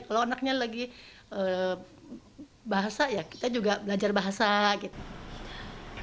kalau anaknya lagi bahasa ya kita juga belajar bahasa gitu